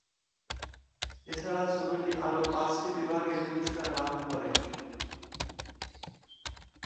এছাড়া ছবিটি আরও পাঁচটি বিভাগে পুরস্কার লাভ করে।